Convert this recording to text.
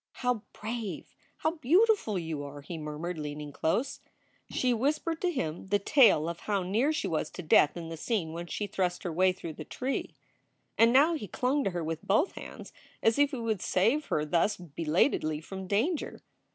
"How brave! How beautiful you are!" he murmured, leaning close. She whispered to him the tale of how near 328 SOULS FOR SALE she was to death in the scene when she thrust her way through the tree. And now he clung to her with both hands as if he would save her thus belatedly from danger.